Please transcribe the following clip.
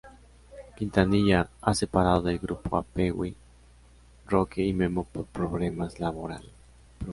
Quintanilla ha separado del grupo a Pee Wee, Roque y Memo por problemas laborales.